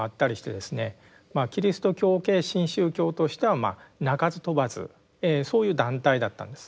キリスト教系新宗教としては鳴かず飛ばずそういう団体だったんです。